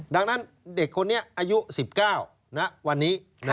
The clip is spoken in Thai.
ดังนั้นเด็กคนนี้อายุ๑๙ณวันนี้